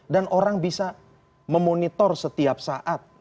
dan orang bisa memonitor setiap saat